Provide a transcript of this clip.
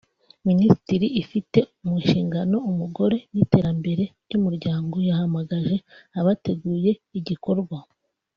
Minisiteri ifite mu nshingano umugore n’iterambere ry’umuryango yahamagaje abateguye igikorwa